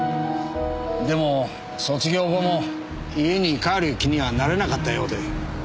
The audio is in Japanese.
でも卒業後も家に帰る気にはなれなかったようで。